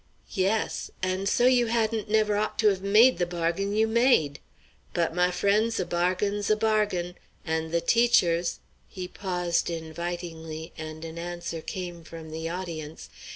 "Yes; and so you hadn't never ought to have made the bargain you made; but, my friends, a bargain's a bargain, and the teacher's" He paused invitingly, and an answer came from the audience.